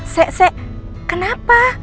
sek sek kenapa